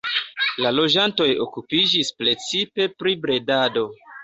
La loĝantoj okupiĝis precipe pri bredado.